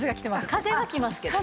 風は来ますけどね。